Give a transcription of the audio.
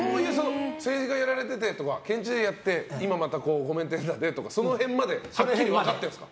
政治家やられててとか県知事やってて今、コメンテーターでとかはっきり分かってるんですか。